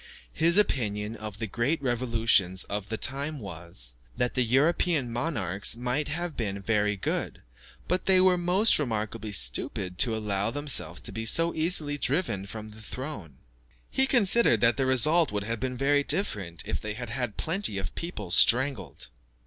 His opinion of the great revolutions of the time was, that the European monarchs might have been very good, but they were most remarkably stupid to allow themselves to be so easily driven from the throne. He considered that the result would have been very different if they had had plenty of people strangled.